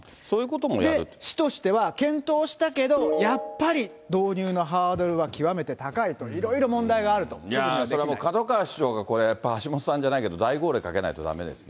市としては検討したけど、やっぱり導入のハードルは極めて高いと、いろいろ問題があると、すそれはもう門川市長が、これ、橋下さんじゃないけど、大号令かけないとだめですよね。